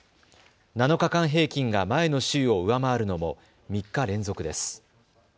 ７日間平均が前の週を上回るのも３日連続です。